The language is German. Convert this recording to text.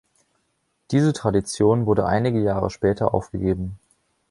Diese Tradition wurde einige Jahre später aufgegeben.